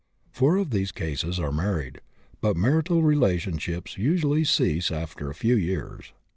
Four of these cases are married, but martial relationships usually ceased after a few years.